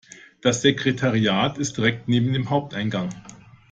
Das Sekretariat ist direkt neben dem Haupteingang.